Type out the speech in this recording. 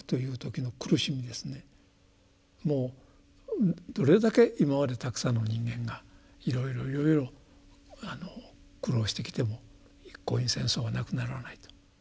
もうどれだけ今までたくさんの人間がいろいろいろいろ苦労してきても一向に戦争はなくならないと。